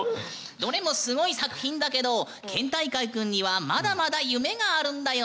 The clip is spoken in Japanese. どれもすごい作品だけど県大会くんにはまだまだ夢があるんだよね？